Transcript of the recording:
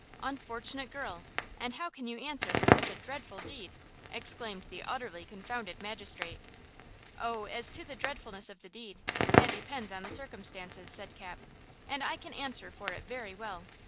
"Unfortunate girl! And how can you answer for such a dreadful deed?" exclaimed the utterly confounded magistrate. "Oh, as to the dreadfulness of the deed, that depends on the circumstances," said Cap, "and I can answer for it very well!